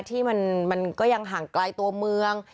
ที่มันก็ยังห่างไกลตัวเมือง